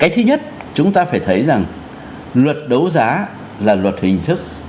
thứ nhất chúng ta phải thấy rằng luật đấu giá là luật hình thức